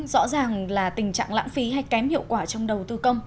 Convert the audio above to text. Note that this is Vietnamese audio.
rõ ràng là tình trạng lãng phí hay kém hiệu quả trong đầu tư công